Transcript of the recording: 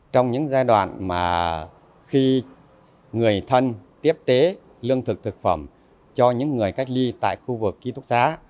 trong những giai đoạn mà khi người thân tiếp tế lương thực thực phẩm cho những người cách ly tại khu vực ký túc xá